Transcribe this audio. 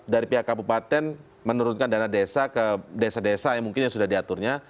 dari pihak kabupaten menurunkan dana desa ke desa desa yang mungkin yang sudah diaturnya